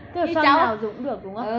cứ xoang nào dùng cũng được đúng không ạ